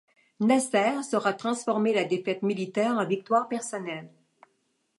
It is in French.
Nasser saura transformer la défaite militaire en victoire personnelle.